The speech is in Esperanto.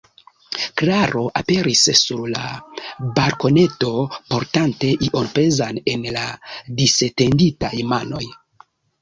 Klaro aperis sur la balkoneto, portante ion pezan en la disetenditaj manoj.